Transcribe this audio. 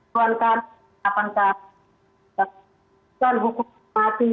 tuankan apakah kita lakukan hukuman mati